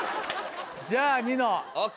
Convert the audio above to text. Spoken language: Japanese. じゃあニノ。ＯＫ。